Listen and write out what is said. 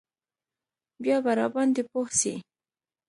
بيا به راباندې پوه سي.